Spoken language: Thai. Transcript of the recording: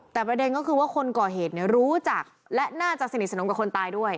แต่ประเด็นก็คือว่าคนก่อเหตุรู้จักและน่าจะสนิทสนมกับคนตายด้วย